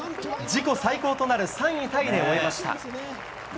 自己最高となる３位タイで終えました。